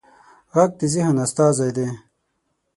غږ د ذهن استازی دی